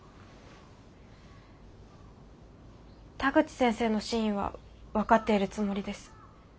田口先生の真意は分かっているつもりです。